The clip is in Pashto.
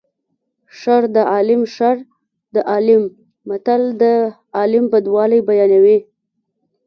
شر د عالیم شر د عالیم متل د عالم بدوالی بیانوي